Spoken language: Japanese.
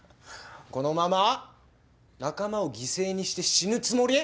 このまま仲間を犠牲にして死ぬつもり？